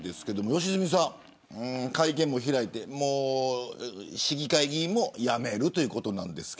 良純さん、会見も開いて市議会議員も辞めるということです。